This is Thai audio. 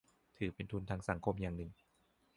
ถือเป็นทุนทางสังคมอย่างหนึ่ง